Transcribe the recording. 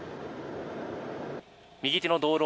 右手の道路